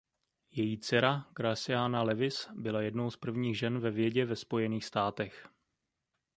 Její dcera Graceanna Lewis byla jednou z prvních žen ve vědě ve Spojených státech.